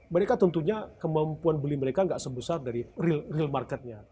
mereka tentunya kemampuan beli mereka nggak sebesar dari real marketnya